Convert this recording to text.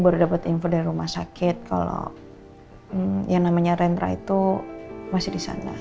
baru dapat info dari rumah sakit kalau yang namanya rendra itu masih di sana